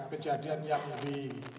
kejadian yang di